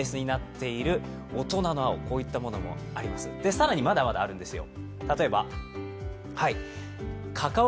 更に、まだまだあるんですよ。